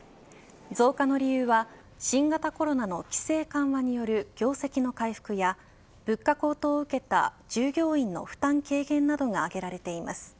増加の理由は新型コロナの規制緩和による業績の回復や物価高騰を受けた従業員の負担軽減などが挙げられています。